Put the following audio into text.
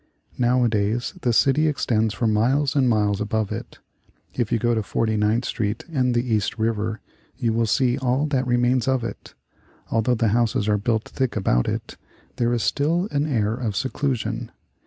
Nowadays the city extends for miles and miles above it. If you go to Forty ninth Street and the East River you will see all that remains of it. Although the houses are built thick about it, there is still an air of seclusion.